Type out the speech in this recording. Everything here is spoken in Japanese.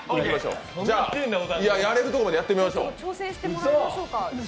やれるところまでやってみましょう。